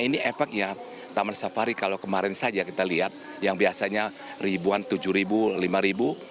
ini efeknya taman safari kalau kemarin saja kita lihat yang biasanya ribuan tujuh ribu lima ribu